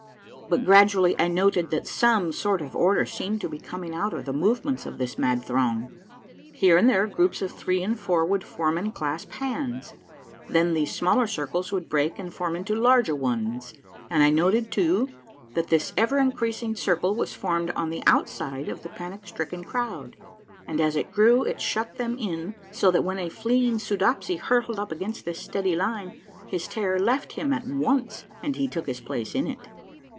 But gradually I noted that some sort of order seemed to be coming out of the movements of this mad throng. Here and there groups of three and four would form and clasp hands, then these smaller circles would break and form into larger ones, and I noted too that this ever increasing circle was formed on the outside of the panic stricken crowd, and as it grew it shut them in so that when a fleeing Soodopsy hurtled up against this steady line, his terror left him at once and he took his place in it.